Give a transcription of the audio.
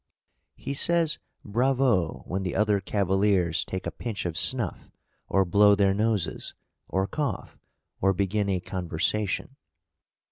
"He says 'Bravo!' when the other cavaliers take a pinch of snuff, or blow their noses, or cough, or begin a conversation."